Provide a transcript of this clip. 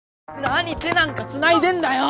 何手なんかつないでんだよ